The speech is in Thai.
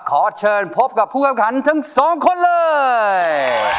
ขอเชิญพบกับผู้เข้าขันทั้งสองคนเลย